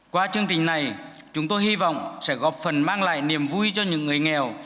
qua chương trình này chúng tôi hy vọng sẽ góp phần mang lại niềm vui cho những người nghèo